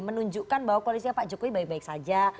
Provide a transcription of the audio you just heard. menunjukkan bahwa koalisinya pak jokowi baik baik saja